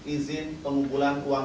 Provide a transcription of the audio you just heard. izin pengumpulan uang